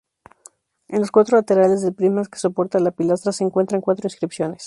En los cuatro laterales del prisma que soporta la pilastra se encuentran cuatro inscripciones.